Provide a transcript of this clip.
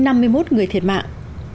đến năm mươi một người thiệt mạng